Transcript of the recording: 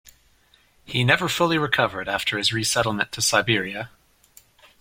He never fully recovered after his resettlement to Siberia.